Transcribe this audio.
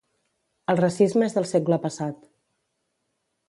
El racisme és del segle passat